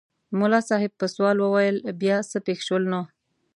ملا صاحب په سوال وویل بیا څه پېښ شول نو؟